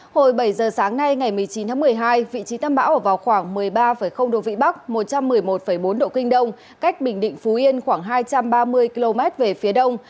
hồi bảy giờ sáng nay ngày một mươi chín tháng một mươi hai vị trí tâm bão ở vào khoảng một mươi ba độ vĩ bắc một trăm một mươi một bốn độ kinh đông cách bình định phú yên khoảng hai trăm ba mươi km về phía đông